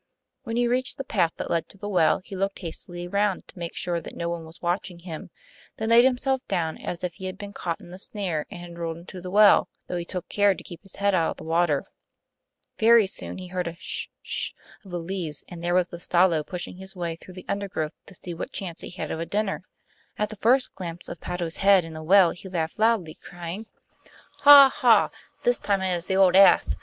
When he reached the path that led to the well he looked hastily round to be sure that no one was watching him, then laid himself down as if he had been caught in the snare and had rolled into the well, though he took care to keep his head out of the water. Very soon he heard a 'sh 'sh of the leaves, and there was the Stalo pushing his way through the undergrowth to see what chance he had of a dinner. At the first glimpse of Patto's head in the well he laughed loudly, crying: 'Ha! ha! This time it is the old ass!